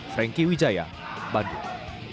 frankie wijaya bandung